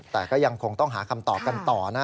แต่ก็ยังคงต้องหาคำตอบกันต่อนะ